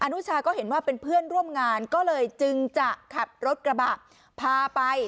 นุชาก็เห็นว่าเป็นเพื่อนร่วมงานก็เลยจึงจะขับรถกระบะพาไป